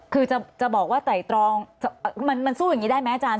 คือจะบอกว่าไต่ตรองมันสู้อย่างนี้ได้ไหมอาจารย